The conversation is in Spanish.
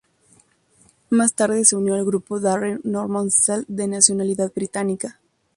Más tarde se unió al grupo Darren Norman Sell, de nacionalidad británica.